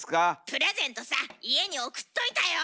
プレゼントさ家に送っといたよ！